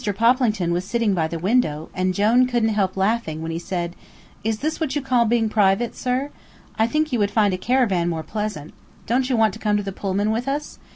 Poplington was sitting by the window, and Jone couldn't help laughing when he said: "Is this what you call being private, sir? I think you would find a caravan more pleasant. Don't you want to come to the Pullman with us?